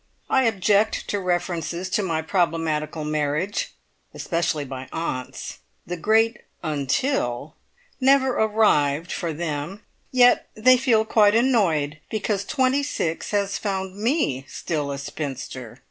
I object to references to my problematical marriage especially by aunts. The great "until" never arrived for them, yet they feel quite annoyed because twenty six has found me still a spinster!